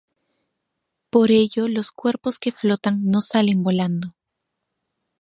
Por ello los cuerpos que flotan no salen volando.